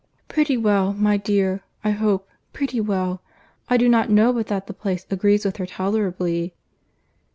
"Pretty well, my dear—I hope—pretty well.—I do not know but that the place agrees with her tolerably."